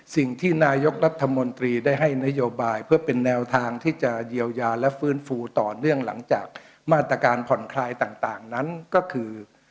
สิ่งที่นายกรัฐมนตรีได้ให้นโยบายเพื่อเป็นแนวทางที่จะเยียวยาและฟื้นฟูต่อเนื่องหลังจากมาตรการผ่อนคลายต่างนั้นก็คือ